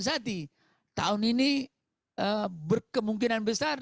tahun ini berkemungkinan besar